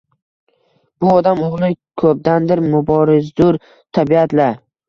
Bu odam oʻgʻli koʻbdandir muborizdur tabiat-la